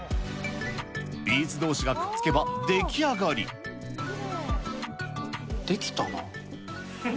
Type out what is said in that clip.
ビーズどうしがくっつけば、できたな。